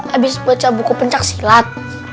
abis baca buku pencak silat